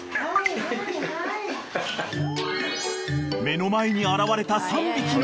［目の前に現れた］